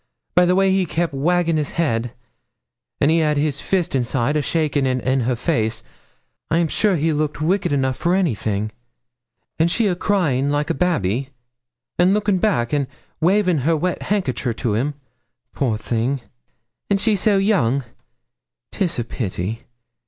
By the way he kep' waggin' his head an' he had his fist inside, a shakin' in her face I'm sure he looked wicked enough for anything; an' she a crying like a babby, an' lookin' back, an' wavin' her wet hankicher to him poor thing! and she so young! 'Tis a pity.